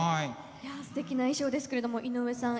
すてきな衣装ですけれども井上さん